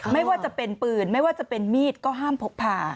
ไม่ว่าจะเป็นปืนไม่ว่าจะเป็นมีดก็ห้ามพกผ่า